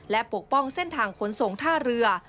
และปกป้องเส้นทางขนส่งท่าเรือ